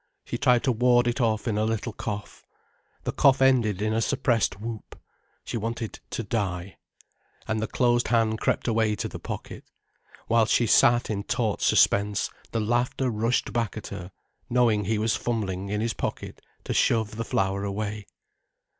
She tried to ward it off in a little cough. The cough ended in a suppressed whoop. She wanted to die. And the closed hand crept away to the pocket. Whilst she sat in taut suspense, the laughter rushed back at her, knowing he was fumbling in his pocket to shove the flower away.